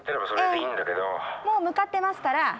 もう向かってますから。